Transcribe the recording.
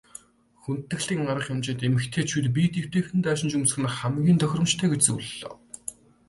Хүндэтгэлийн арга хэмжээнд эмэгтэйчүүд биед эвтэйхэн даашинз өмсөх нь хамгийн тохиромжтой гэж зөвлөлөө.